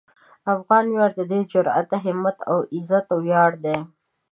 د افغان ویاړ د ده د جرئت، همت او عزت ویاړ دی.